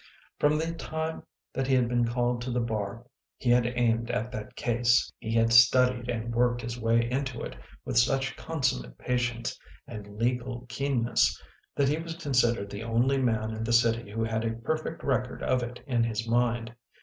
From the time that he had been called to the bar he had aimed at that case, he had studied and worked his way into it with such consummate patience, and legal keenness, that he was considered the only man in the city who had a perfect record of it in his mind.